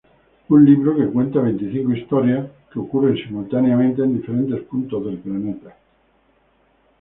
Un libro que cuenta veinticinco historias que ocurren simultáneamente en diferentes puntos del planeta.